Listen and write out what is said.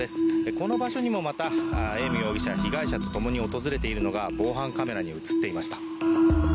この場所にもまたエーム容疑者は被害者と共に訪れているのが防犯カメラに映っていました。